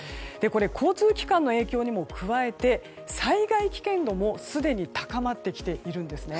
交通機関への影響にも加えて災害危険度もすでに高まってきているんです。